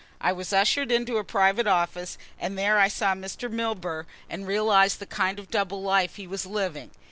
I was ushered into a private office, and there I saw Mr. Milburgh and realised the kind of double life he was living.